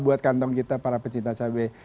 untung kita para pecinta cabai